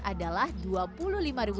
adalah dua puluh rupiah